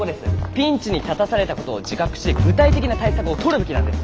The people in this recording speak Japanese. ピンチに立たされた事を自覚し具体的な対策をとるべきなんですよ。